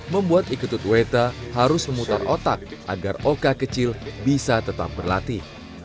membuat iketut weta harus memutar otak agar oka kecil bisa tetap berlatih